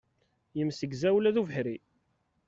Yemsegza ula d ubeḥri.